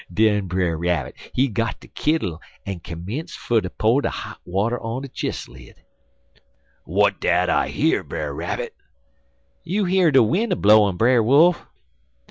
Den Brer Rabbit he got de kittle en commenced fer to po' de hot water on de chist lid. "'W'at dat I hear, Brer Rabbit?' "'You hear de win' a blowin', Brer Wolf.'